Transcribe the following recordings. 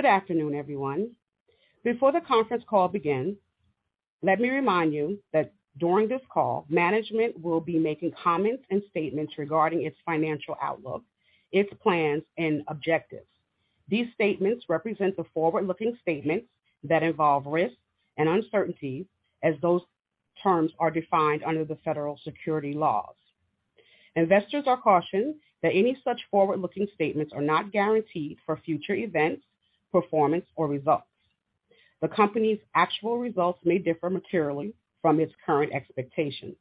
Good afternoon, everyone. Before the conference call begins, let me remind you that during this call, management will be making comments and statements regarding its financial outlook, its plans and objectives. These statements represent the forward-looking statements that involve risks and uncertainties as those terms are defined under the federal securities laws. Investors are cautioned that any such forward-looking statements are not guaranteed for future events, performance or results. The company's actual results may differ materially from its current expectations.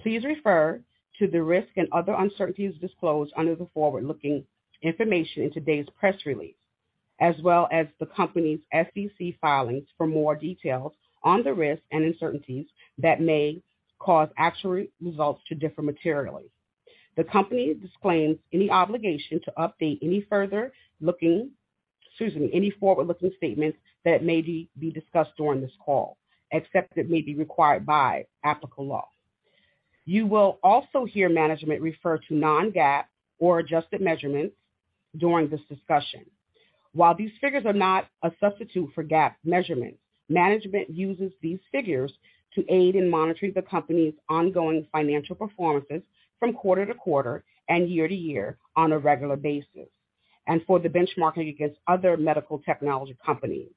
Please refer to the risks and other uncertainties disclosed under the forward-looking information in today's press release, as well as the company's SEC filings for more details on the risks and uncertainties that may cause actual results to differ materially. The company disclaims any obligation to update any forward-looking statements that may be discussed during this call, except as may be required by applicable law. You will also hear management refer to non-GAAP or adjusted measurements during this discussion. While these figures are not a substitute for GAAP measurements, management uses these figures to aid in monitoring the company's ongoing financial performance from quarter-to-quarter and year-to-year on a regular basis, and for benchmarking against other medical technology companies.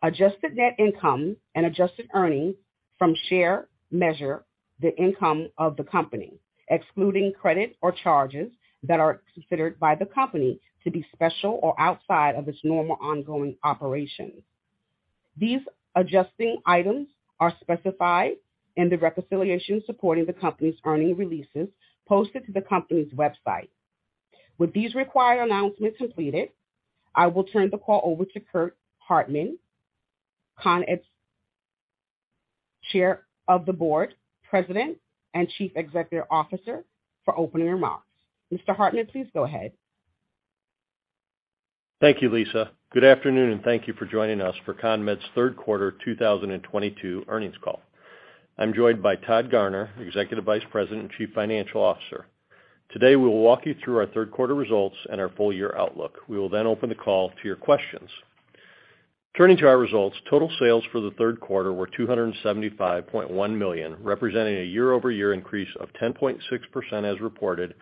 Adjusted net income and adjusted earnings per share measure the income of the company, excluding credits or charges that are considered by the company to be special or outside of its normal ongoing operations. These adjusting items are specified in the reconciliation supporting the company's earnings releases posted to the company's website. With these required announcements completed, I will turn the call over to Curt Hartman, CONMED's Chair of the Board, President, and Chief Executive Officer for opening remarks. Mr. Hartman, please go ahead. Thank you, Lisa. Good afternoon, and thank you for joining us for CONMED's third quarter 2022 earnings call. I'm joined by Todd Garner, Executive Vice President and Chief Financial Officer. Today, we will walk you through our third quarter results and our full year outlook. We will then open the call to your questions. Turning to our results, total sales for the third quarter were $275.1 million, representing a year-over-year increase of 10.6% as reported,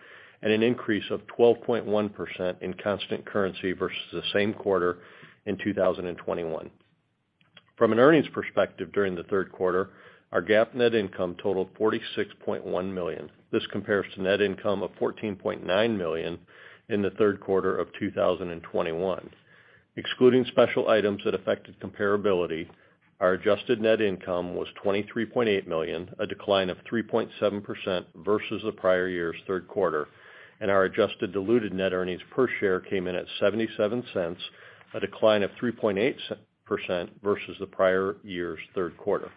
and an increase of 12.1% in constant currency versus the same quarter in 2021. From an earnings perspective during the third quarter, our GAAP net income totaled $46.1 million. This compares to net income of $14.9 million in the third quarter of 2021. Excluding special items that affected comparability, our adjusted net income was $23.8 million, a decline of 3.7% versus the prior year's third quarter. Our adjusted diluted net earnings per share came in at $0.77, a decline of 3.8% versus the prior year's third quarter.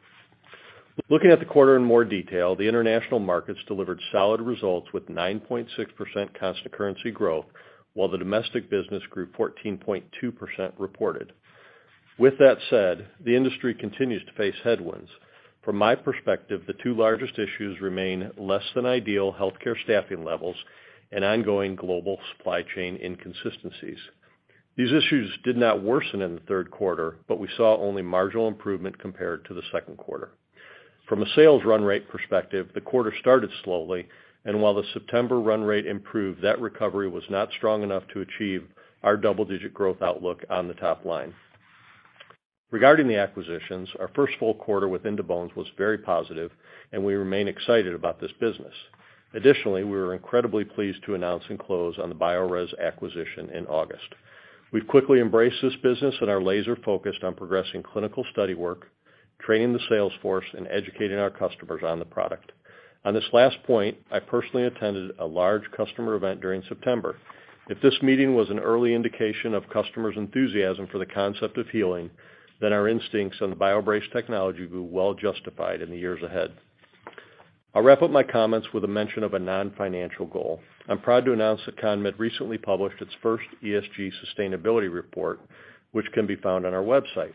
Looking at the quarter in more detail, the international markets delivered solid results with 9.6% constant currency growth, while the domestic business grew 14.2% reported. With that said, the industry continues to face headwinds. From my perspective, the two largest issues remain less than ideal healthcare staffing levels and ongoing global supply chain inconsistencies. These issues did not worsen in the third quarter, but we saw only marginal improvement compared to the second quarter. From a sales run rate perspective, the quarter started slowly, and while the September run rate improved, that recovery was not strong enough to achieve our double-digit growth outlook on the top line. Regarding the acquisitions, our first full quarter with In2Bones was very positive, and we remain excited about this business. Additionally, we were incredibly pleased to announce and close on the Biorez acquisition in August. We've quickly embraced this business and are laser-focused on progressing clinical study work, training the sales force and educating our customers on the product. On this last point, I personally attended a large customer event during September. If this meeting was an early indication of customers' enthusiasm for the concept of healing, then our instincts on the BioBrace technology will be well justified in the years ahead. I'll wrap up my comments with a mention of a non-financial goal. I'm proud to announce that CONMED recently published its first ESG sustainability report, which can be found on our website.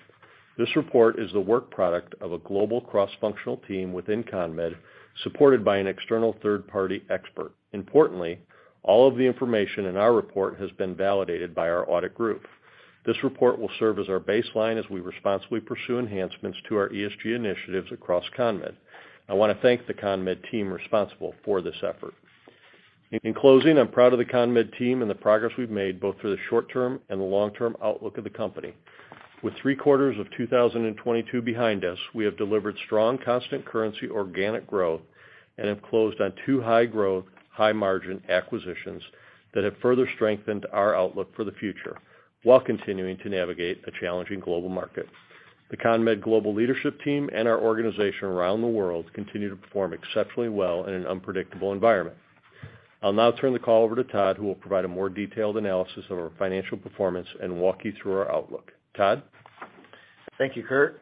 This report is the work product of a global cross-functional team within CONMED, supported by an external third-party expert. Importantly, all of the information in our report has been validated by our audit group. This report will serve as our baseline as we responsibly pursue enhancements to our ESG initiatives across CONMED. I want to thank the CONMED team responsible for this effort. In closing, I'm proud of the CONMED team and the progress we've made, both for the short term and the long-term outlook of the company. With three quarters of 2022 behind us, we have delivered strong, constant currency organic growth and have closed on two high growth, high-margin acquisitions that have further strengthened our outlook for the future while continuing to navigate a challenging global market. The CONMED global leadership team and our organization around the world continue to perform exceptionally well in an unpredictable environment. I'll now turn the call over to Todd, who will provide a more detailed analysis of our financial performance and walk you through our outlook. Todd. Thank you, Curt.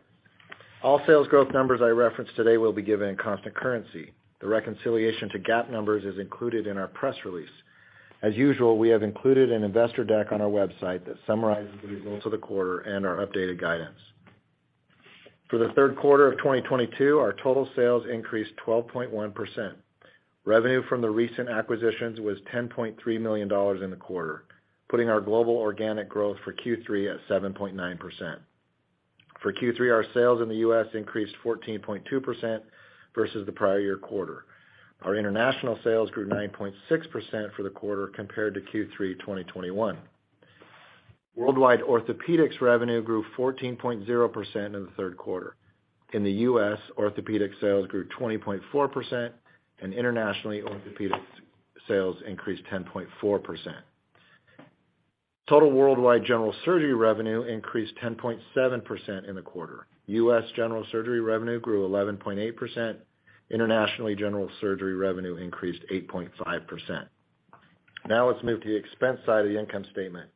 All sales growth numbers I reference today will be given in constant currency. The reconciliation to GAAP numbers is included in our press release. As usual, we have included an investor deck on our website that summarizes the results of the quarter and our updated guidance. For the third quarter of 2022, our total sales increased 12.1%. Revenue from the recent acquisitions was $10.3 million in the quarter, putting our global organic growth for Q3 at 7.9%. For Q3, our sales in the U.S. increased 14.2% versus the prior year quarter. Our international sales grew 9.6% for the quarter compared to Q3 2021. Worldwide orthopedics revenue grew 14.0% in the third quarter. In the U.S., orthopedic sales grew 20.4%, and internationally, orthopedics sales increased 10.4%. Total worldwide general surgery revenue increased 10.7% in the quarter. U.S. general surgery revenue grew 11.8%. Internationally, general surgery revenue increased 8.5%. Now let's move to the expense side of the income statement.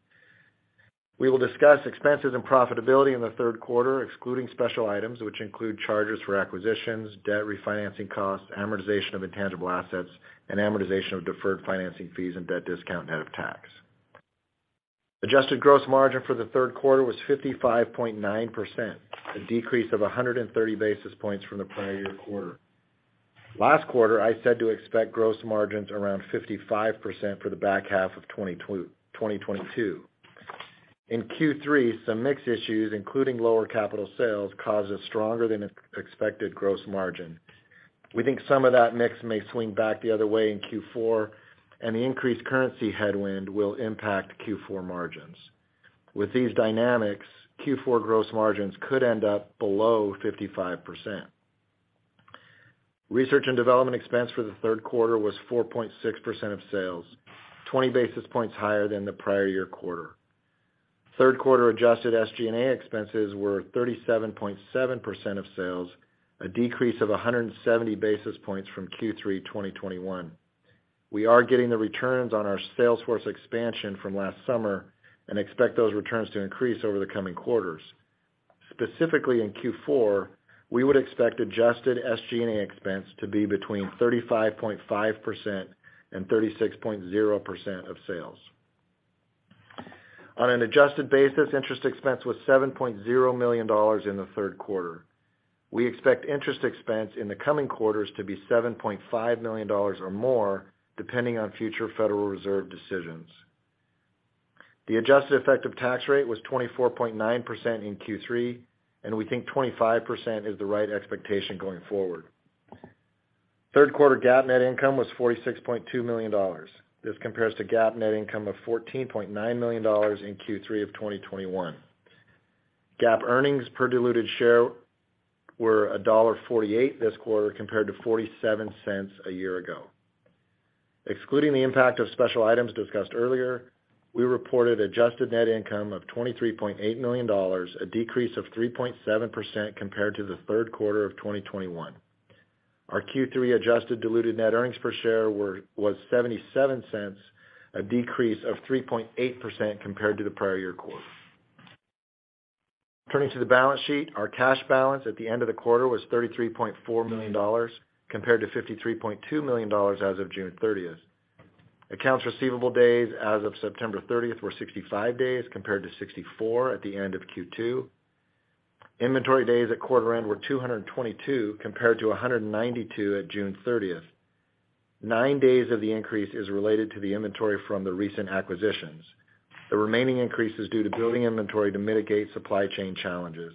We will discuss expenses and profitability in the third quarter, excluding special items which include charges for acquisitions, debt refinancing costs, amortization of intangible assets, and amortization of deferred financing fees and debt discount net of tax. Adjusted gross margin for the third quarter was 55.9%, a decrease of 130 basis points from the prior year quarter. Last quarter, I said to expect gross margins around 55% for the back half of 2022. In Q3, some mix issues, including lower capital sales, caused a stronger than expected gross margin. We think some of that mix may swing back the other way in Q4, and the increased currency headwind will impact Q4 margins. With these dynamics, Q4 gross margins could end up below 55%. Research and development expense for the third quarter was 4.6% of sales, 20 basis points higher than the prior year quarter. Third quarter adjusted SG&A expenses were 37.7% of sales, a decrease of 170 basis points from Q3 2021. We are getting the returns on our sales force expansion from last summer and expect those returns to increase over the coming quarters. Specifically, in Q4, we would expect adjusted SG&A expense to be between 35.5% and 36.0% of sales. On an adjusted basis, interest expense was $7.0 million in the third quarter. We expect interest expense in the coming quarters to be $7.5 million or more, depending on future Federal Reserve decisions. The adjusted effective tax rate was 24.9% in Q3, and we think 25% is the right expectation going forward. Third quarter GAAP net income was $46.2 million. This compares to GAAP net income of $14.9 million in Q3 of 2021. GAAP earnings per diluted share were $1.48 this quarter, compared to $0.47 a year ago. Excluding the impact of special items discussed earlier, we reported adjusted net income of $23.8 million, a decrease of 3.7% compared to the third quarter of 2021. Our Q3 adjusted diluted net earnings per share was $0.77, a decrease of 3.8% compared to the prior year quarter. Turning to the balance sheet, our cash balance at the end of the quarter was $33.4 million, compared to $53.2 million as of June 30th. Accounts receivable days as of September 30th were 65 days compared to 64 at the end of Q2. Inventory days at quarter end were 222 compared to 192 at June 30th. Nine days of the increase is related to the inventory from the recent acquisitions. The remaining increase is due to building inventory to mitigate supply chain challenges.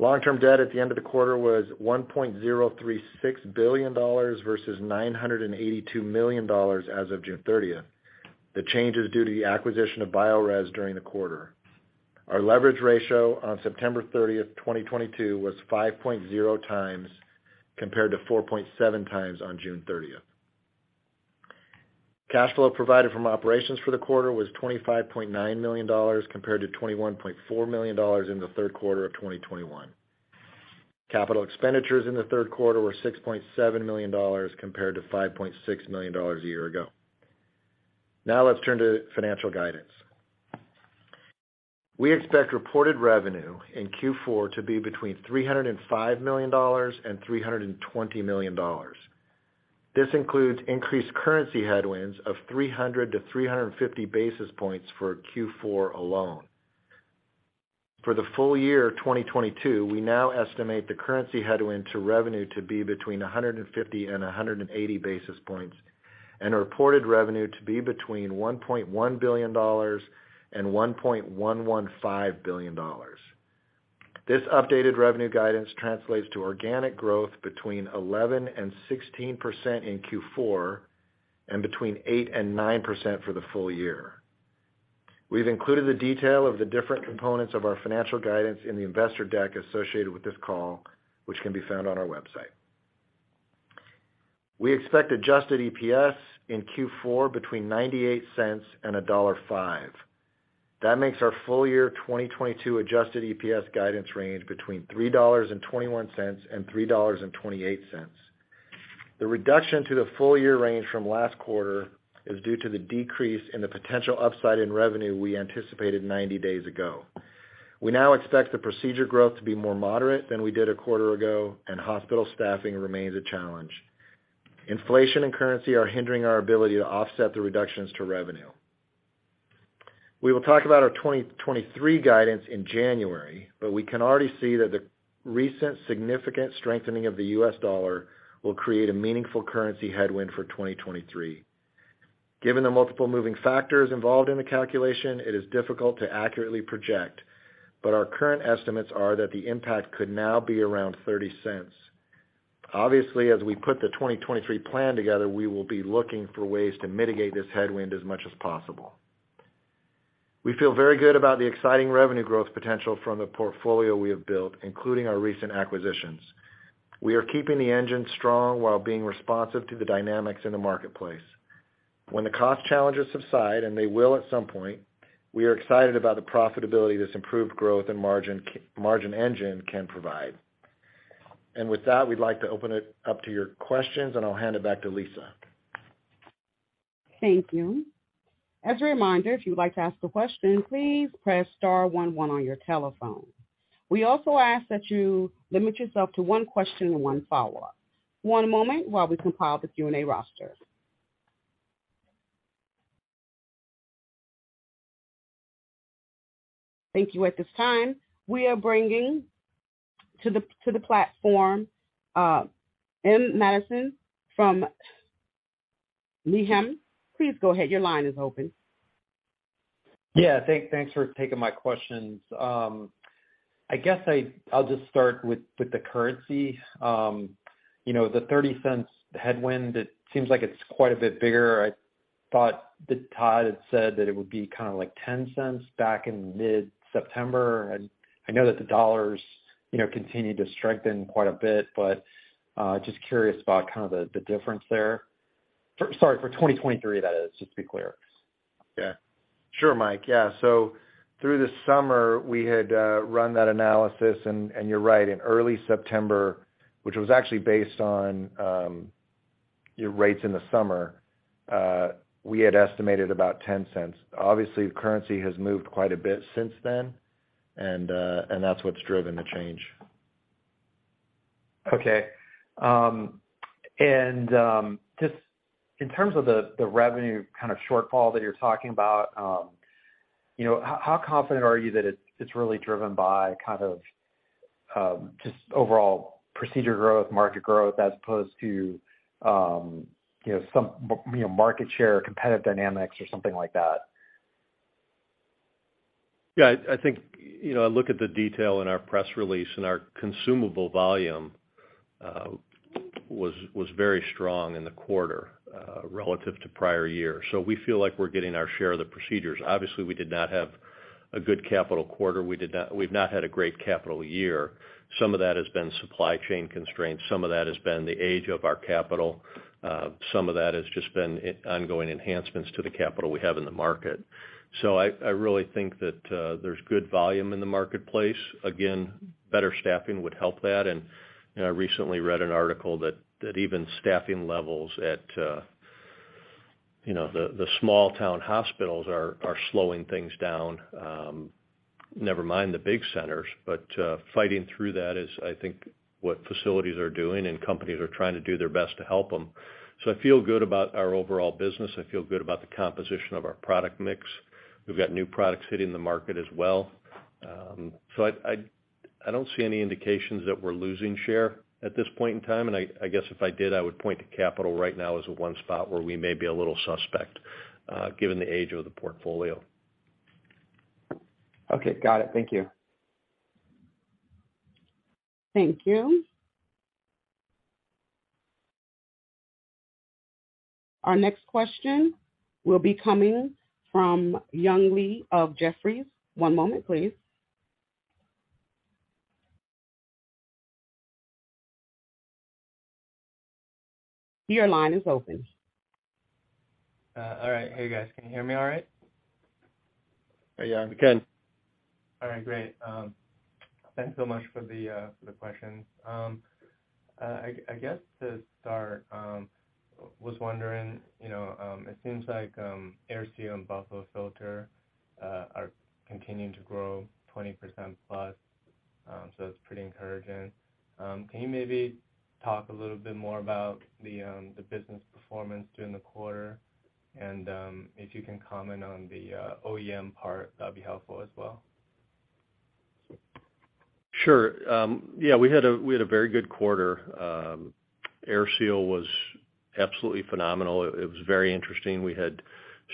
Long-term debt at the end of the quarter was $1.036 billion versus $982 million as of June 30th. The change is due to the acquisition of Biorez during the quarter. Our leverage ratio on September 30th, 2022 was 5.0x, compared to 4.7x on June 30th. Cash flow provided from operations for the quarter was $25.9 million, compared to $21.4 million in the third quarter of 2021. Capital expenditures in the third quarter were $6.7 million compared to $5.6 million a year ago. Now let's turn to financial guidance. We expect reported revenue in Q4 to be between $305 million and $320 million. This includes increased currency headwinds of 300 basis points-350 basis points for Q4 alone. For the full year of 2022, we now estimate the currency headwind to revenue to be between 150 basis points-180 basis points, and reported revenue to be between $1.1 billion and $1.115 billion. This updated revenue guidance translates to organic growth between 11%-16% in Q4, and between 8%-9% for the full year. We've included the detail of the different components of our financial guidance in the investor deck associated with this call, which can be found on our website. We expect adjusted EPS in Q4 between $0.98 and $1.05. That makes our full year 2022 adjusted EPS guidance range between $3.21 and $3.28. The reduction to the full year range from last quarter is due to the decrease in the potential upside in revenue we anticipated 90 days ago. We now expect the procedure growth to be more moderate than we did a quarter ago, and hospital staffing remains a challenge. Inflation and currency are hindering our ability to offset the reductions to revenue. We will talk about our 2023 guidance in January, but we can already see that the recent significant strengthening of the U.S. dollar will create a meaningful currency headwind for 2023. Given the multiple moving factors involved in the calculation, it is difficult to accurately project, but our current estimates are that the impact could now be around $0.30. Obviously, as we put the 2023 plan together, we will be looking for ways to mitigate this headwind as much as possible. We feel very good about the exciting revenue growth potential from the portfolio we have built, including our recent acquisitions. We are keeping the engine strong while being responsive to the dynamics in the marketplace. When the cost challenges subside, and they will at some point, we are excited about the profitability this improved growth and margin engine can provide. With that, we'd like to open it up to your questions, and I'll hand it back to Lisa. Thank you. As a reminder, if you would like to ask a question, please press star one one on your telephone. We also ask that you limit yourself to one question and one follow-up. One moment while we compile the Q&A roster. Thank you. At this time, we are bringing to the platform, M. Matson from Needham. Please go ahead. Your line is open. Yeah. Thanks for taking my questions. I guess I'll just start with the currency. You know, the $0.30 headwind, it seems like it's quite a bit bigger. I thought that Todd had said that it would be kind of like $0.10 back in mid-September. I know that the dollars, you know, continued to strengthen quite a bit, but just curious about kind of the difference there. Sorry, for 2023, that is, just to be clear. Yeah. Sure, Mike. Yeah. Through the summer, we had run that analysis, and you're right, in early September, which was actually based on your rates in the summer, we had estimated about $0.10. Obviously, the currency has moved quite a bit since then, and that's what's driven the change. Okay. Just in terms of the revenue kind of shortfall that you're talking about, you know, how confident are you that it's really driven by kind of just overall procedure growth, market growth, as opposed to, you know, some, you know, market share, competitive dynamics or something like that? I think, you know, look at the detail in our press release, and our consumable volume was very strong in the quarter, relative to prior year. We feel like we're getting our share of the procedures. Obviously, we did not have a good capital quarter. We've not had a great capital year. Some of that has been supply chain constraints. Some of that has been the age of our capital. Some of that has just been ongoing enhancements to the capital we have in the market. I really think that there's good volume in the marketplace. Again, better staffing would help that. You know, I recently read an article that even staffing levels at the small town hospitals are slowing things down, never mind the big centers. Fighting through that is, I think, what facilities are doing, and companies are trying to do their best to help them. I feel good about our overall business. I feel good about the composition of our product mix. We've got new products hitting the market as well. I don't see any indications that we're losing share at this point in time. I guess if I did, I would point to capital right now as the one spot where we may be a little suspect, given the age of the portfolio. Okay. Got it. Thank you. Thank you. Our next question will be coming from Young Li of Jefferies. One moment, please. Your line is open. All right. Hey, guys, can you hear me all right? Hey, Young. We can. All right, great. Thanks so much for the questions. I guess to start, was wondering, you know, it seems like AirSeal and Buffalo Filter are continuing to grow 20%+, so it's pretty encouraging. Can you maybe talk a little bit more about the business performance during the quarter? If you can comment on the OEM part, that'd be helpful as well. Sure. We had a very good quarter. AirSeal was absolutely phenomenal. It was very interesting. We had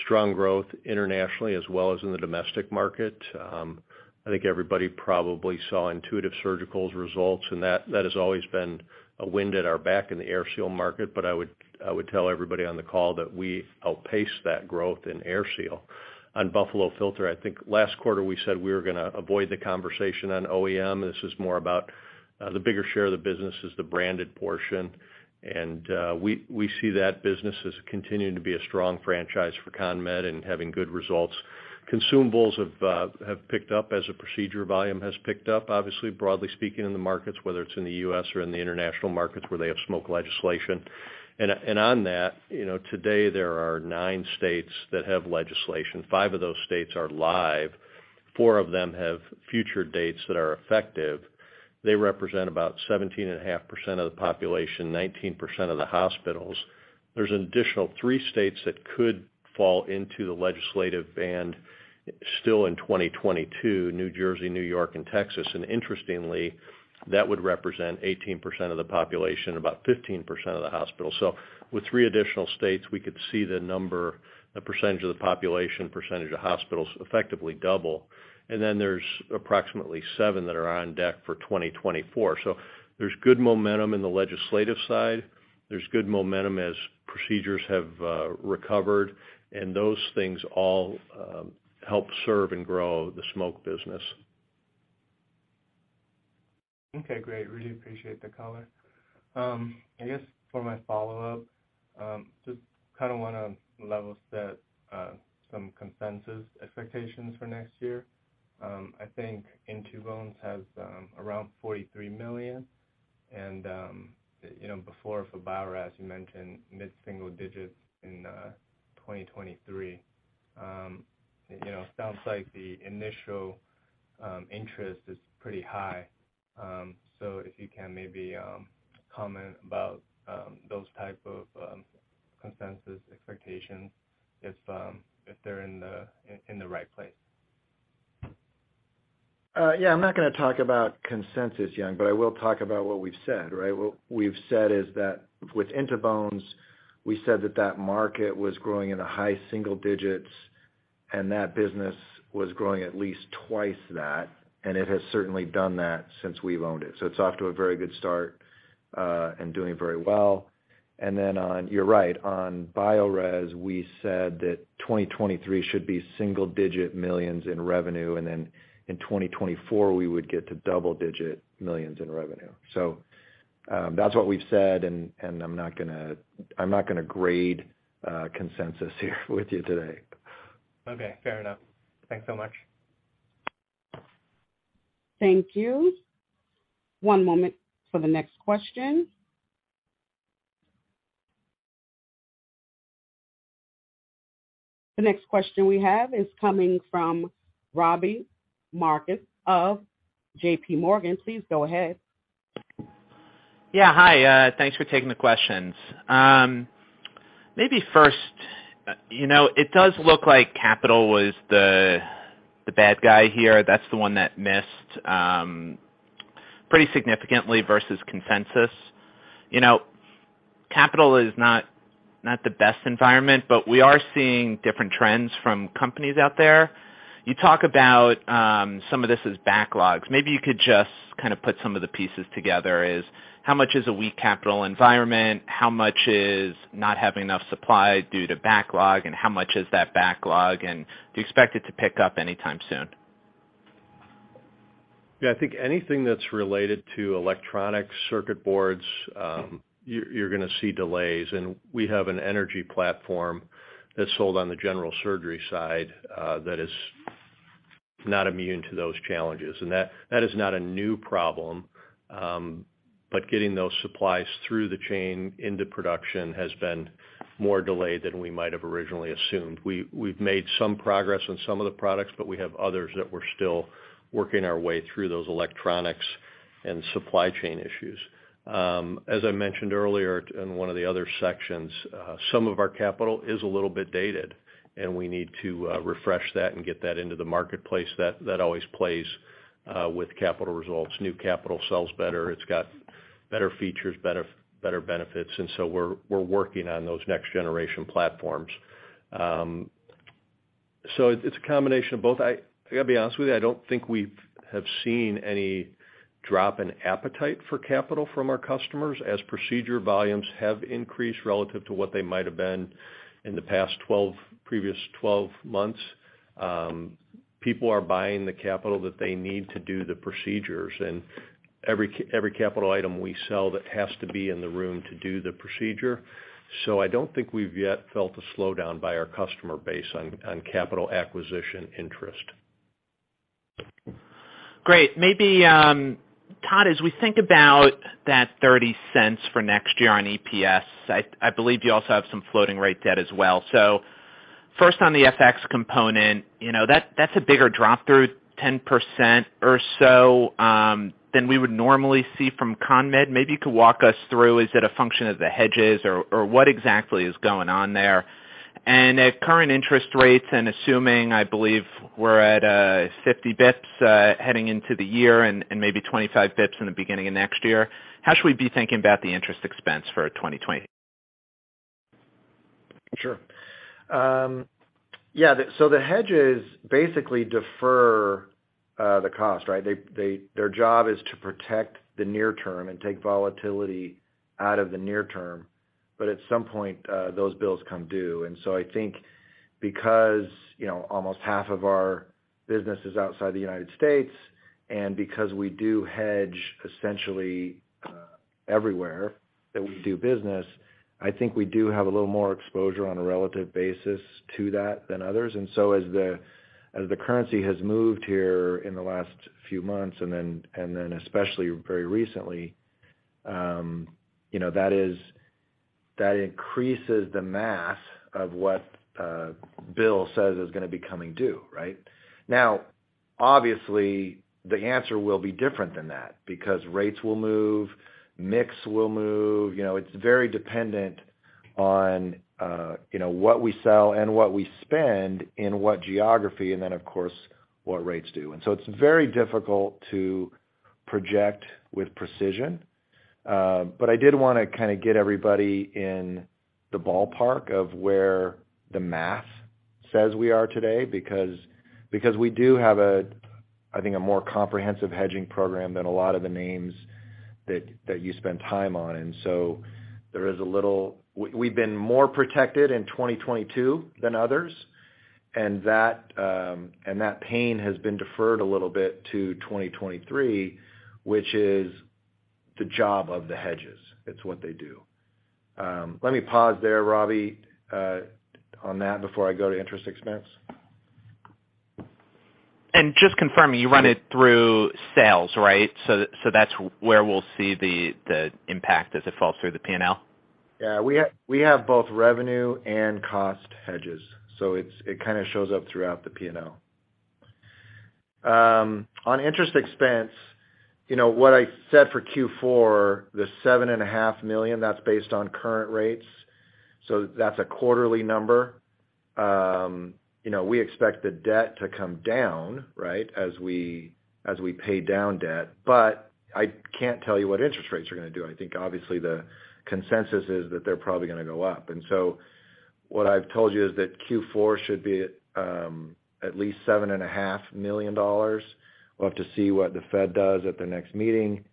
strong growth internationally as well as in the domestic market. I think everybody probably saw Intuitive Surgical's results, and that has always been a wind at our back in the AirSeal market. I would tell everybody on the call that we outpaced that growth in AirSeal. On Buffalo Filter, I think last quarter we said we were gonna avoid the conversation on OEM. This is more about the bigger share of the business is the branded portion. We see that business as continuing to be a strong franchise for CONMED and having good results. Consumables have picked up as the procedure volume has picked up, obviously, broadly speaking, in the markets, whether it's in the U.S. or in the international markets where they have smoke legislation. On that, you know, today there are nine states that have legislation. Five of those states are live. Four of them have future dates that are effective. They represent about 17.5% of the population, 19% of the hospitals. There's an additional three states that could fall into the legislative band still in 2022, New Jersey, New York and Texas. Interestingly, that would represent 18% of the population, about 15% of the hospital. With three additional states, we could see the number, the percentage of the population, percentage of hospitals effectively double. Then there's approximately seven that are on deck for 2024. There's good momentum in the legislative side. There's good momentum as procedures have recovered, and those things all help serve and grow the smoke business. Okay, great. Really appreciate the color. I guess for my follow-up, just kind of want to level set some consensus expectations for next year. I think In2Bones has around $43 million and, you know, before for Biorez, you mentioned mid-single-digits in 2023. You know, it sounds like the initial interest is pretty high. So if you can maybe comment about those type of consensus expectations if they're in the right place. Yeah, I'm not going to talk about consensus, Young, but I will talk about what we've said, right? What we've said is that with In2Bones, we said that that market was growing in the high single-digits, and that business was growing at least twice that. It has certainly done that since we've owned it. It's off to a very good start, and doing very well. Then on—you're right, on Biorez, we said that 2023 should be single-digit millions in revenue. Then in 2024, we would get to double-digit millions in revenue. That's what we've said, and I'm not gonna grade consensus here with you today. Okay, fair enough. Thanks so much. Thank you. One moment for the next question. The next question we have is coming from Robbie Marcus of JPMorgan. Please go ahead. Yeah. Hi. Thanks for taking the questions. Maybe first, you know, it does look like capital was the bad guy here. That's the one that missed pretty significantly versus consensus. You know, capital is not the best environment, but we are seeing different trends from companies out there. You talk about some of this as backlogs. Maybe you could just kind of put some of the pieces together. Is how much is a weak capital environment? How much is not having enough supply due to backlog? And how much is that backlog? And do you expect it to pick up anytime soon? Yeah. I think anything that's related to electronic circuit boards, you're gonna see delays, and we have an energy platform that's sold on the general surgery side, that is not immune to those challenges. That is not a new problem. Getting those supplies through the chain into production has been more delayed than we might have originally assumed. We've made some progress on some of the products, but we have others that we're still working our way through those electronics and supply chain issues. As I mentioned earlier in one of the other sections, some of our capital is a little bit dated, and we need to refresh that and get that into the marketplace. That always plays with capital results. New capital sells better. It's got better features, better benefits. We're working on those next generation platforms. It's a combination of both. I gotta be honest with you, I don't think we have seen any drop in appetite for capital from our customers as procedure volumes have increased relative to what they might have been in the previous 12 months. People are buying the capital that they need to do the procedures, and every capital item we sell that has to be in the room to do the procedure. I don't think we've yet felt a slowdown by our customer base on capital acquisition interest. Great. Maybe, Todd, as we think about that $0.30 for next year on EPS, I believe you also have some floating rate debt as well. First on the FX component, that's a bigger drop through 10% or so than we would normally see from CONMED. Maybe you could walk us through, is it a function of the hedges or what exactly is going on there? At current interest rates, and assuming I believe we're at 50 basis points heading into the year and maybe 25 basis points in the beginning of next year, how should we be thinking about the interest expense for 2020? Sure. Yeah. The hedges basically defer the cost, right? Their job is to protect the near term and take volatility out of the near term. At some point, those bills come due. I think because, you know, almost half of our business is outside the United States and because we do hedge essentially everywhere that we do business, I think we do have a little more exposure on a relative basis to that than others. As the currency has moved here in the last few months and then especially very recently, you know, that. That increases the mass of what Bill says is going to be coming due, right? Now, obviously, the answer will be different than that because rates will move, mix will move. You know, it's very dependent on, you know, what we sell and what we spend in what geography, and then, of course, what rates do. It's very difficult to project with precision. I did want to kind of get everybody in the ballpark of where the math says we are today because we do have, I think, a more comprehensive hedging program than a lot of the names that you spend time on. We've been more protected in 2022 than others, and that pain has been deferred a little bit to 2023, which is the job of the hedges. It's what they do. Let me pause there, Robbie, on that before I go to interest expense. Just confirm, you run it through sales, right? That's where we'll see the impact as it falls through the P&L. Yeah. We have both revenue and cost hedges, so it's kind of shows up throughout the P&L. On interest expense, you know, what I said for Q4, the $7.5 million, that's based on current rates, so that's a quarterly number. You know, we expect the debt to come down, right, as we pay down debt. I can't tell you what interest rates are gonna do. I think obviously the consensus is that they're probably gonna go up. What I've told you is that Q4 should be at least $7.5 million. We'll have to see what the Fed does at the next meeting,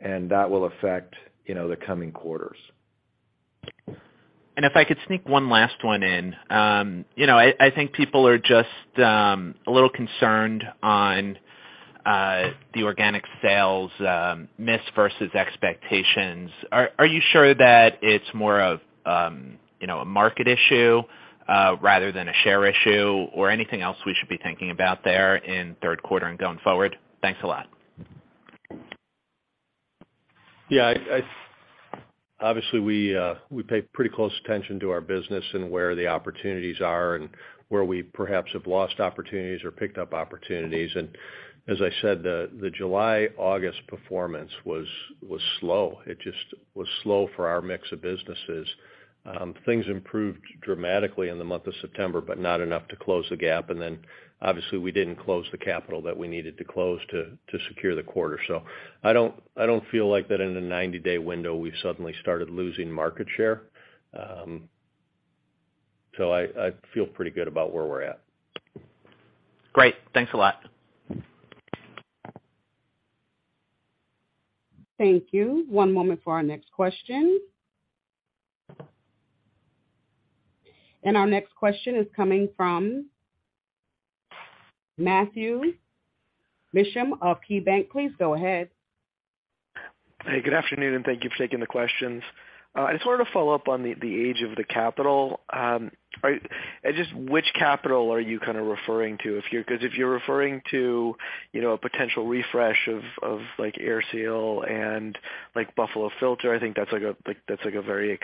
and that will affect, you know, the coming quarters. If I could sneak one last one in. You know, I think people are just a little concerned on the organic sales miss versus expectations. Are you sure that it's more of, you know, a market issue rather than a share issue or anything else we should be thinking about there in third quarter and going forward? Thanks a lot. Obviously, we pay pretty close attention to our business and where the opportunities are and where we perhaps have lost opportunities or picked up opportunities. As I said, the July-August performance was slow. It just was slow for our mix of businesses. Things improved dramatically in the month of September, but not enough to close the gap. Then obviously, we didn't close the capital that we needed to close to secure the quarter. I don't feel like that in a 90-day window, we've suddenly started losing market share. I feel pretty good about where we're at. Great. Thanks a lot. Thank you. One moment for our next question. Our next question is coming from Matthew Mishan of KeyBanc. Please go ahead. Hey, good afternoon, and thank you for taking the questions. I just wanted to follow up on the age of the capital. Just which capital are you kind of referring to? Because if you're referring to, you know, a potential refresh of like AirSeal and like Buffalo Filter, I think that's very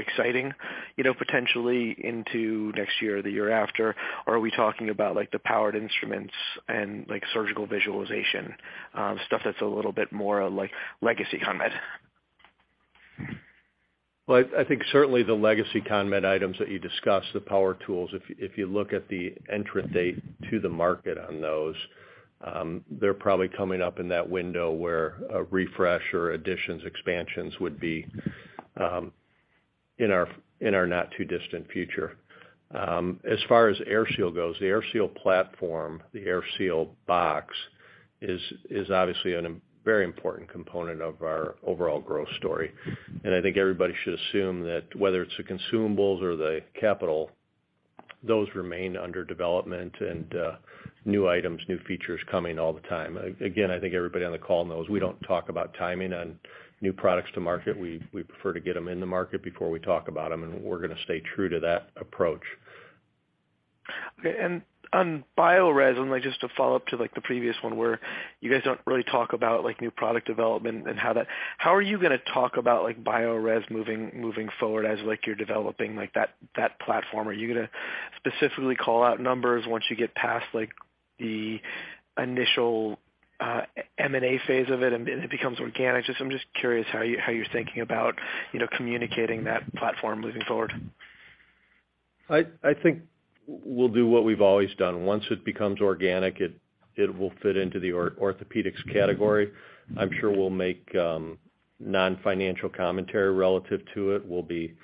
exciting, you know, potentially into next year or the year after. Or are we talking about like the powered instruments and like surgical visualization stuff that's a little bit more like legacy CONMED? Well, I think certainly the legacy CONMED items that you discussed, the power tools, if you look at the entry date to the market on those, they're probably coming up in that window where a refresh or additions, expansions would be in our not too distant future. As far as AirSeal goes, the AirSeal platform, the AirSeal box is obviously a very important component of our overall growth story. I think everybody should assume that whether it's the consumables or the capital, those remain under development and new items, new features coming all the time. Again, I think everybody on the call knows we don't talk about timing on new products to market. We prefer to get them in the market before we talk about them, and we're gonna stay true to that approach. Okay. On Biorez, like just to follow up to like the previous one where you guys don't really talk about like new product development and how. How are you gonna talk about like Biorez moving forward as like you're developing like that platform? Are you gonna specifically call out numbers once you get past like the initial, M&A phase of it and it becomes organic? I'm just curious how you're thinking about, you know, communicating that platform moving forward. I think we'll do what we've always done. Once it becomes organic, it will fit into the orthopedics category. I'm sure we'll make non-financial commentary relative to it. We'll be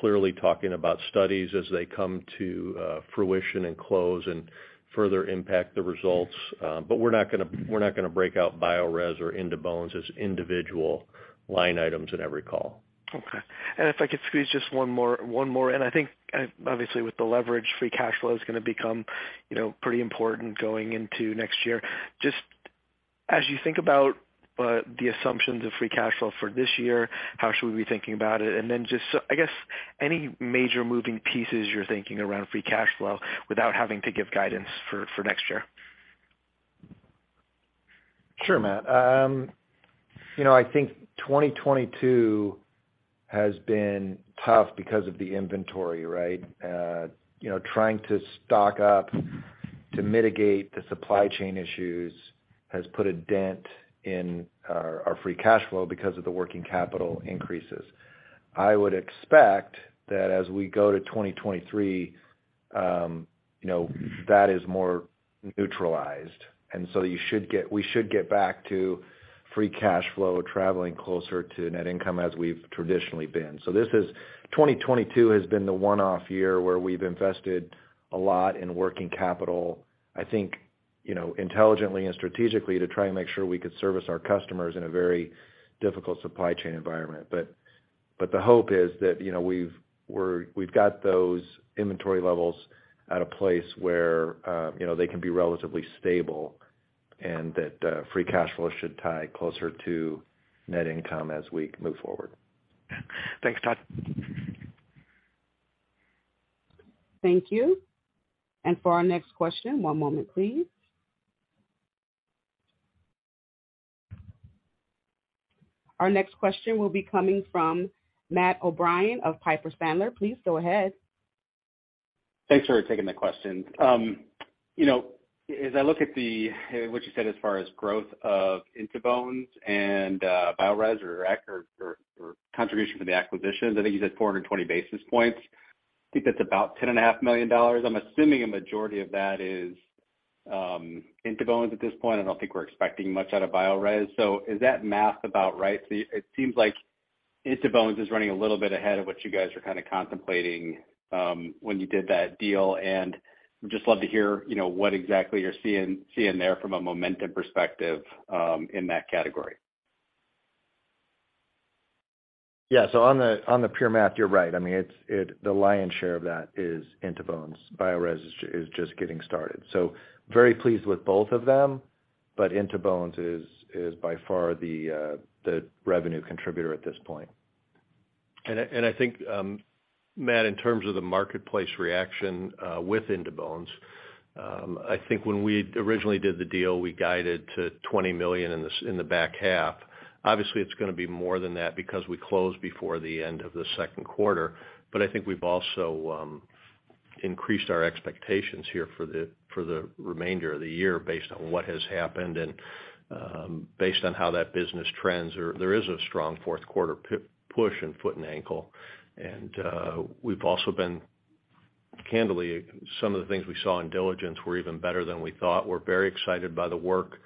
clearly talking about studies as they come to fruition and close and further impact the results. We're not gonna break out Biorez or In2Bones as individual line items in every call. Okay. If I could squeeze just one more. I think, obviously with the leverage, free cash flow is gonna become, you know, pretty important going into next year. Just as you think about, the assumptions of free cash flow for this year, how should we be thinking about it? Then just, so I guess any major moving pieces you're thinking around free cash flow without having to give guidance for next year? Sure, Matt. You know, I think 2022 has been tough because of the inventory, right? You know, trying to stock up to mitigate the supply chain issues has put a dent in our free cash flow because of the working capital increases. I would expect that as we go to 2023, you know, that is more neutralized. We should get back to free cash flow traveling closer to net income as we've traditionally been. 2022 has been the one-off year where we've invested a lot in working capital, I think, you know, intelligently and strategically to try and make sure we could service our customers in a very difficult supply chain environment. The hope is that, you know, we've got those inventory levels at a place where, you know, they can be relatively stable and that free cash flow should tie closer to net income as we move forward. Thanks, Todd. Thank you. For our next question, one moment please. Our next question will be coming from Matt O'Brien of Piper Sandler. Please go ahead. Thanks for taking the questions. You know, as I look at what you said as far as growth of In2Bones and Biorez contribution from the acquisitions, I think you said 420 basis points. I think that's about $10.5 million. I'm assuming a majority of that is In2Bones at this point. I don't think we're expecting much out of Biorez. Is that math about right? It seems like In2Bones is running a little bit ahead of what you guys were kind of contemplating when you did that deal. Just love to hear, you know, what exactly you're seeing there from a momentum perspective in that category. Yeah. On the pure math, you're right. I mean, it's the lion's share of that is In2Bones. Biorez is just getting started. Very pleased with both of them, but In2Bones is by far the revenue contributor at this point. I think, Matt, in terms of the marketplace reaction, with In2Bones, I think when we originally did the deal, we guided to $20 million in the back half. Obviously, it's gonna be more than that because we closed before the end of the second quarter. I think we've also increased our expectations here for the remainder of the year based on what has happened and based on how that business trends. There is a strong fourth quarter push in foot and ankle. We've also been candidly, some of the things we saw in diligence were even better than we thought. We're very excited by the work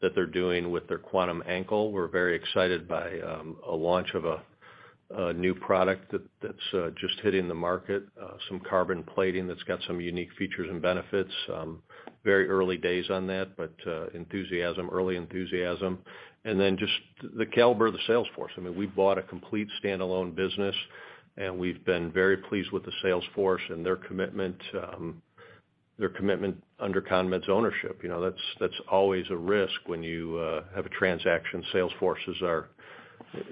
that they're doing with their QUANTUM Ankle. We're very excited by a launch of a new product that's just hitting the market, some carbon plating that's got some unique features and benefits. Very early days on that, but early enthusiasm. Then just the caliber of the sales force. I mean, we bought a complete standalone business, and we've been very pleased with the sales force and their commitment under CONMED's ownership. You know, that's always a risk when you have a transaction. Sales forces are,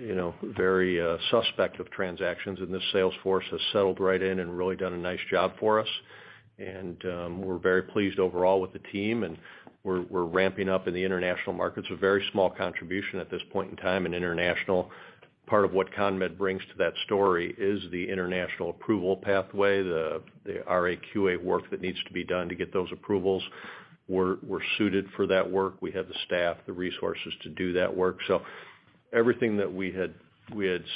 you know, very suspect of transactions, and this sales force has settled right in and really done a nice job for us. We're very pleased overall with the team, and we're ramping up in the international markets. A very small contribution at this point in time in international. Part of what CONMED brings to that story is the international approval pathway, the RAQA work that needs to be done to get those approvals. We're suited for that work. We have the staff, the resources to do that work. Everything that we had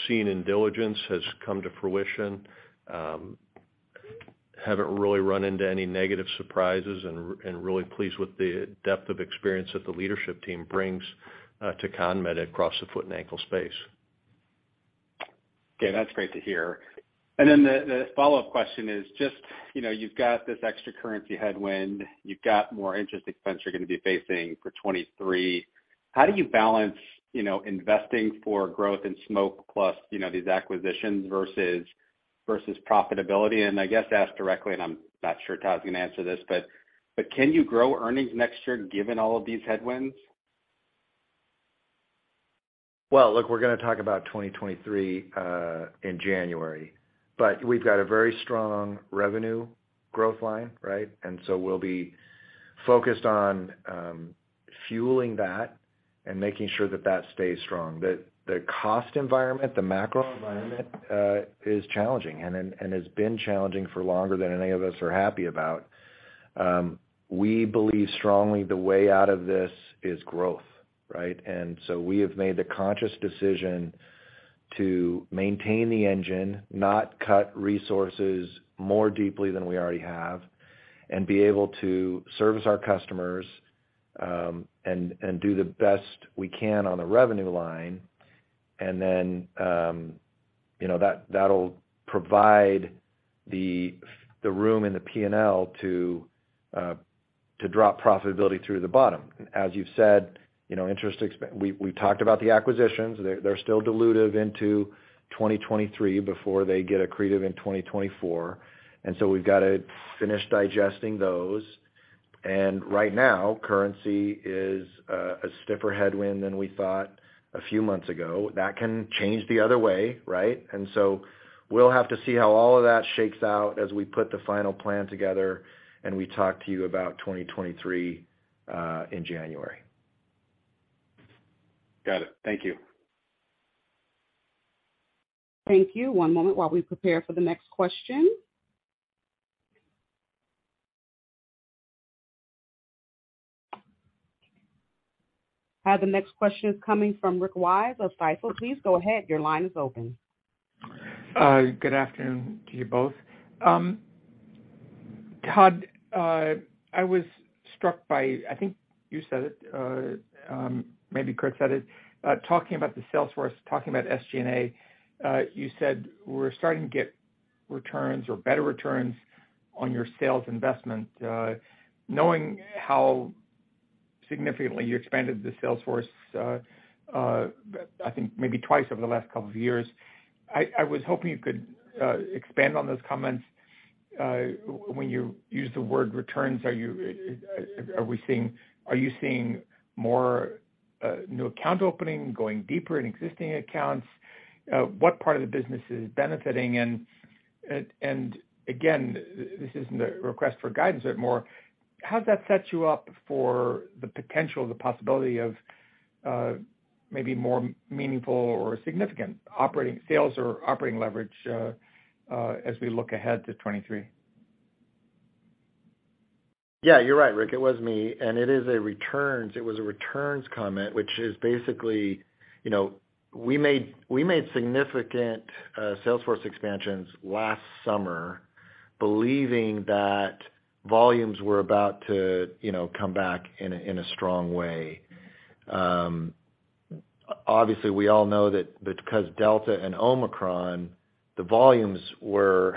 seen in diligence has come to fruition. Haven't really run into any negative surprises and really pleased with the depth of experience that the leadership team brings to CONMED across the foot and ankle space. Okay, that's great to hear. The follow-up question is just, you know, you've got this extra currency headwind, you've got more interest expense you're gonna be facing for 2023. How do you balance, you know, investing for growth in smoke plus, you know, these acquisitions versus profitability? I guess asked directly, and I'm not sure Todd's gonna answer this, but can you grow earnings next year given all of these headwinds? Well, look, we're gonna talk about 2023 in January, but we've got a very strong revenue growth line, right? We'll be focused on fueling that and making sure that that stays strong. The cost environment, the macro environment is challenging and has been challenging for longer than any of us are happy about. We believe strongly the way out of this is growth, right? We have made the conscious decision to maintain the engine, not cut resources more deeply than we already have, and be able to service our customers and do the best we can on the revenue line. You know, that'll provide the room in the P&L to drop profitability through the bottom. As you've said, you know, interest expense, we talked about the acquisitions. They're still dilutive into 2023 before they get accretive in 2024. We've got to finish digesting those. Right now, currency is a stiffer headwind than we thought a few months ago. That can change the other way, right? We'll have to see how all of that shakes out as we put the final plan together, and we talk to you about 2023 in January. Got it. Thank you. Thank you. One moment while we prepare for the next question. I have the next question is coming from Rick Wise of Stifel. Please go ahead. Your line is open. Good afternoon to you both. Todd, I was struck by, I think you said it, maybe Curt said it, talking about the sales force, talking about SG&A. You said we're starting to get returns or better returns on your sales investment. Knowing how significantly you expanded the sales force, I think maybe twice over the last couple of years, I was hoping you could expand on those comments. When you use the word returns, are you seeing more new account opening, going deeper in existing accounts? What part of the business is benefiting? Again, this isn't a request for guidance, but more how does that set you up for the potential, the possibility of, maybe more meaningful or significant operating scale or operating leverage, as we look ahead to 2023? Yeah, you're right, Rick. It was me, and it is a returns comment, which is basically, you know, we made significant salesforce expansions last summer believing that volumes were about to, you know, come back in a strong way. Obviously, we all know that because Delta and Omicron, the volumes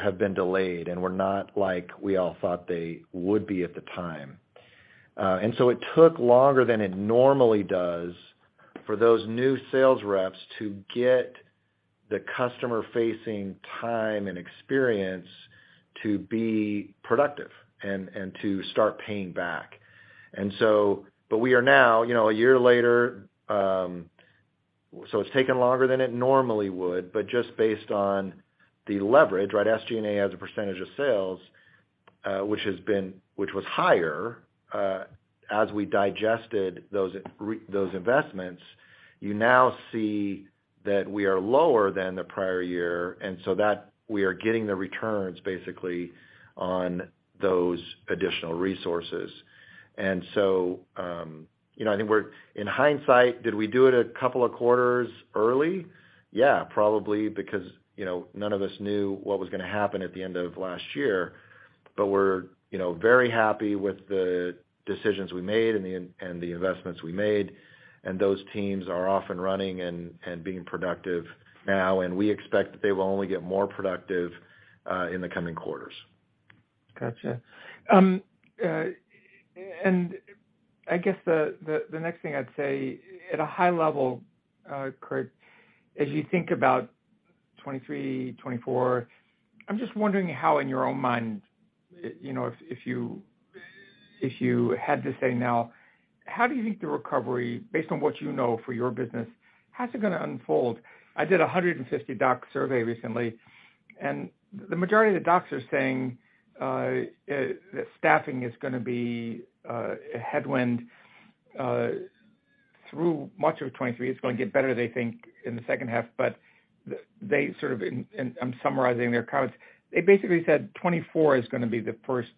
have been delayed and were not like we all thought they would be at the time. And so it took longer than it normally does for those new sales reps to get the customer-facing time and experience to be productive and to start paying back. But we are now, you know, a year later, so it's taken longer than it normally would. Just based on the leverage, right, SG&A as a percentage of sales, which was higher, as we digested those investments, you now see that we are lower than the prior year. That we are getting the returns basically on those additional resources. You know, I think, in hindsight, did we do it a couple of quarters early? Yeah, probably, because, you know, none of us knew what was going to happen at the end of last year. We're, you know, very happy with the decisions we made and the investments we made. Those teams are off and running and being productive now, and we expect that they will only get more productive in the coming quarters. Gotcha. I guess the next thing I'd say at a high level, Curt, as you think about 2023, 2024, I'm just wondering how in your own mind, you know, if you had to say now, how do you think the recovery, based on what you know for your business, how's it going to unfold? I did a 150 doc survey recently, and the majority of the docs are saying that staffing is going to be a headwind through much of 2023. It's going to get better, they think, in the second half. But they sort of, and I'm summarizing their comments. They basically said 2024 is going to be the first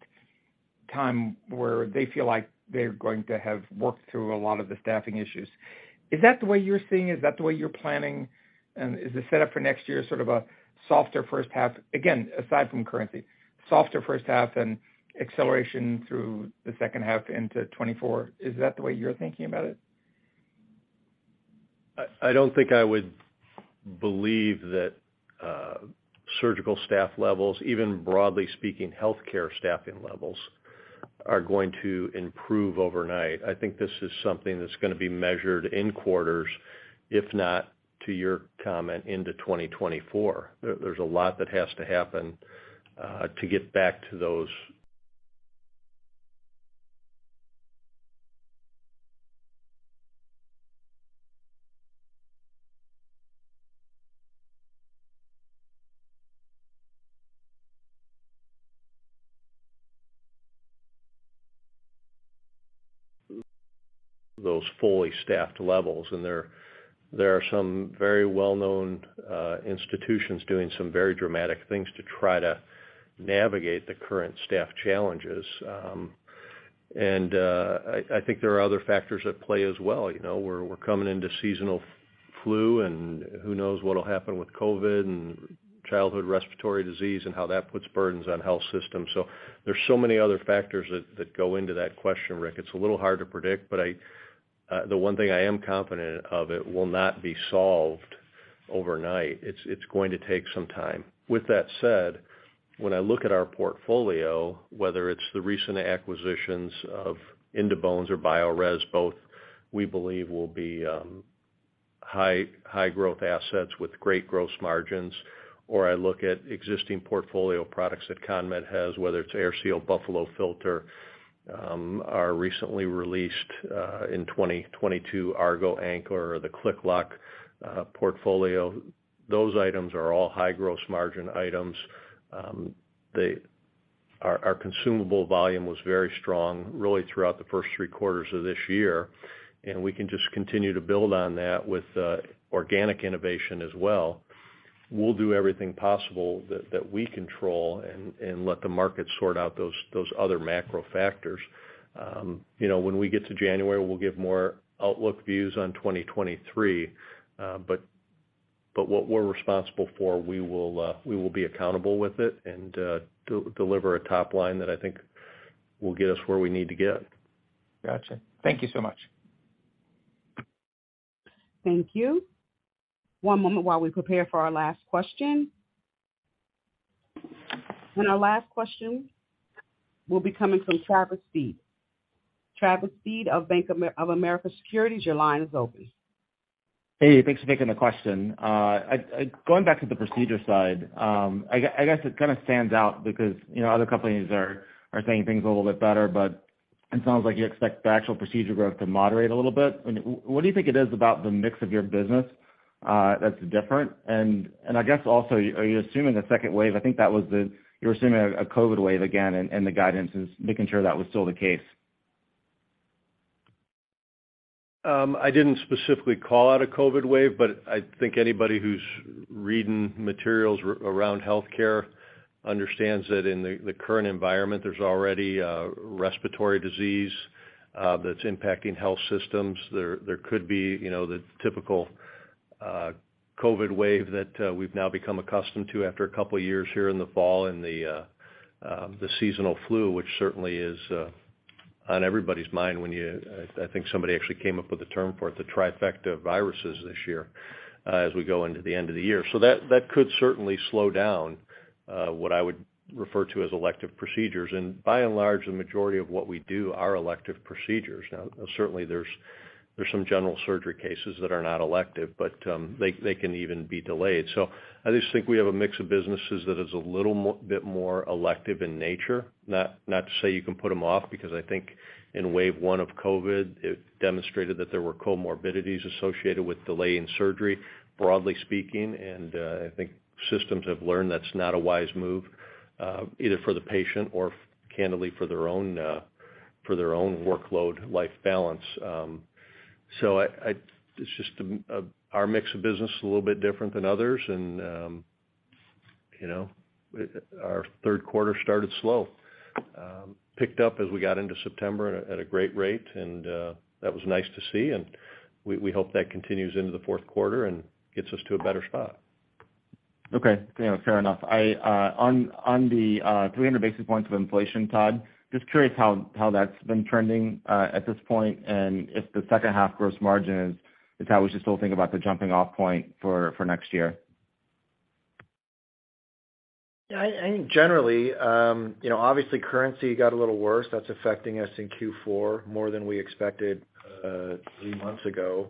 time where they feel like they're going to have worked through a lot of the staffing issues. Is that the way you're seeing? Is that the way you're planning? Is the set up for next year sort of a softer first half? Again, aside from currency, softer first half and acceleration through the second half into 2024. Is that the way you're thinking about it? I don't think I would believe that surgical staff levels, even broadly speaking, healthcare staffing levels, are going to improve overnight. I think this is something that's going to be measured in quarters, if not, to your comment, into 2024. There's a lot that has to happen to get back to those fully staffed levels. There are some very well-known institutions doing some very dramatic things to try to navigate the current staff challenges. I think there are other factors at play as well. You know, we're coming into seasonal flu, and who knows what'll happen with COVID and childhood respiratory disease and how that puts burdens on health systems. There's so many other factors that go into that question, Rick. It's a little hard to predict, but the one thing I am confident of, it will not be solved overnight. It's going to take some time. With that said, when I look at our portfolio, whether it's the recent acquisitions of In2Bones or Biorez, both we believe will be high growth assets with great gross margins. Or I look at existing portfolio products that CONMED has, whether it's AirSeal, Buffalo Filter, our recently released in 2022 Argo Anchor or the ClickLok Portfolio. Those items are all high gross margin items. Our consumable volume was very strong really throughout the first three quarters of this year, and we can just continue to build on that with organic innovation as well. We'll do everything possible that we control and let the market sort out those other macro factors. You know, when we get to January, we'll give more outlook views on 2023. But what we're responsible for, we will be accountable with it and deliver a top line that I think will get us where we need to get. Gotcha. Thank you so much. Thank you. One moment while we prepare for our last question. Our last question will be coming from Travis Steed. Travis Steed of Bank of America Securities, your line is open. Hey, thanks for taking the question. Going back to the procedure side, I guess it kind of stands out because, you know, other companies are saying things a little bit better, but it sounds like you expect the actual procedure growth to moderate a little bit. What do you think it is about the mix of your business that's different? I guess also are you assuming the second wave? I think that was the you were assuming a COVID wave again, and the guidance is making sure that was still the case. I didn't specifically call out a COVID wave, but I think anybody who's reading materials around healthcare understands that in the current environment, there's already a respiratory disease that's impacting health systems. There could be, you know, the typical COVID wave that we've now become accustomed to after a couple of years here in the fall and the seasonal flu, which certainly is on everybody's mind. I think somebody actually came up with a term for it, the trifecta viruses this year, as we go into the end of the year. That could certainly slow down what I would refer to as elective procedures. By and large, the majority of what we do are elective procedures. Now, certainly there's some general surgery cases that are not elective, but they can even be delayed. I just think we have a mix of businesses that is a little more elective in nature. Not to say you can put them off, because I think in wave one of COVID, it demonstrated that there were comorbidities associated with delay in surgery, broadly speaking. I think systems have learned that's not a wise move, either for the patient or candidly for their own work-life balance. It's just our mix of business is a little bit different than others and, you know, our third quarter started slow. Picked up as we got into September at a great rate and that was nice to see. We hope that continues into the fourth quarter and gets us to a better spot. Okay. You know, fair enough. On the 300 basis points of inflation, Todd, just curious how that's been trending at this point, and if the second half gross margin is how we should still think about the jumping off point for next year? I think generally, obviously currency got a little worse. That's affecting us in Q4 more than we expected three months ago.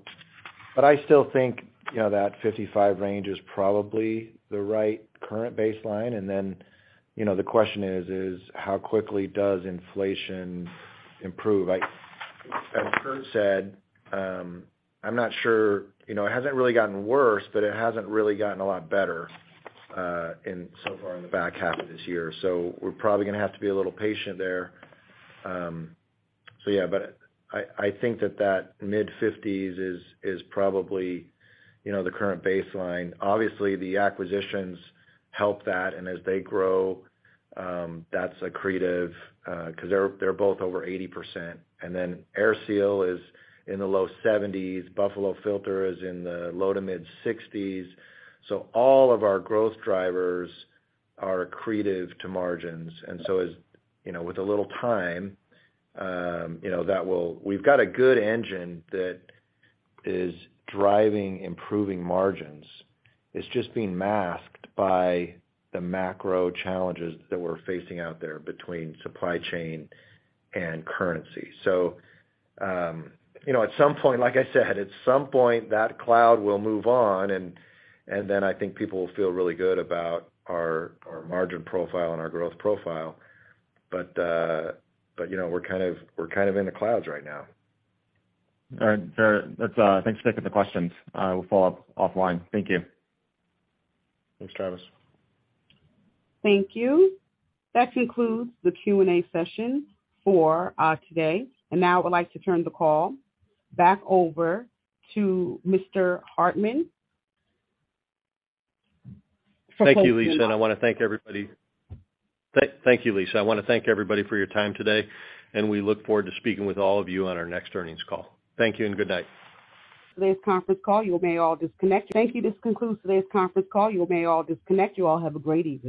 I still think that 55% range is probably the right current baseline. The question is how quickly does inflation improve? As Curt said, I'm not sure, it hasn't really gotten worse, but it hasn't really gotten a lot better in so far in the back half of this year. We're probably gonna have to be a little patient there. Yeah, I think that mid-50s is probably the current baseline. Obviously, the acquisitions help that, and as they grow, that's accretive 'cause they're both over 80%. AirSeal is in the low 70s. Buffalo Filter is in the low-to-mid 60%s. All of our growth drivers are accretive to margins. As you know, with a little time, you know, we've got a good engine that is driving improving margins. It's just being masked by the macro challenges that we're facing out there between supply chain and currency. You know, at some point, like I said, at some point that cloud will move on and then I think people will feel really good about our margin profile and our growth profile. You know, we're kind of in the clouds right now. All right, fair. That's. Thanks for taking the questions. I will follow up offline. Thank you. Thanks, Travis. Thank you. That concludes the Q&A session for today. Now I would like to turn the call back over to Mr. Hartman for closing remarks. Thank you, Lisa. I wanna thank everybody. Thank you, Lisa. I wanna thank everybody for your time today, and we look forward to speaking with all of you on our next earnings call. Thank you and good night. Today's conference call, you may all disconnect. Thank you. This concludes today's conference call. You may all disconnect. You all have a great evening.